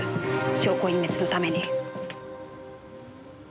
証拠隠滅のために。